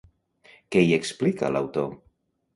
Què hi explica l'autor?